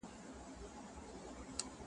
همېشه به د مالِک ترشا روان ؤ.